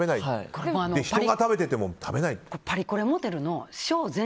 他の人が食べていても食べないって。